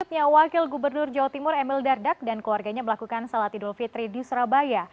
selanjutnya wakil gubernur jawa timur emil dardak dan keluarganya melakukan salat idul fitri di surabaya